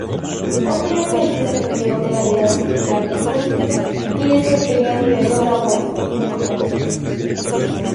Posteriormente se retiró de la vida sindical y política, y desempeñó diversas labores burocráticas.